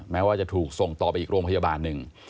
แม้ว่าจะถูกส่งต่อไปอีกโรงพยาบาลหนึ่ง